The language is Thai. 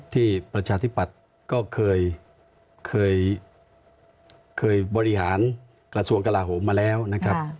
ประชาธิปัตย์ก็เคยบริหารกระทรวงกลาโหมมาแล้วนะครับ